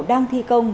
đang thi công